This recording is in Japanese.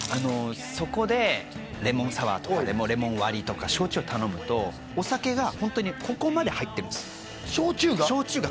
そこでレモンサワーとかレモン割りとか焼酎を頼むとお酒がホントにここまで入ってます焼酎が？